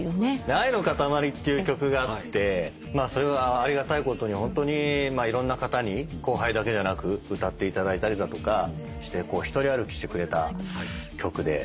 『愛のかたまり』っていう曲があってそれはありがたいことにホントにいろんな方に後輩だけじゃなく歌っていただいたりだとかして一人歩きしてくれた曲で。